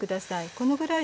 このぐらいです。